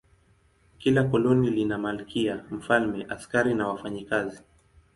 Kila koloni lina malkia, mfalme, askari na wafanyakazi.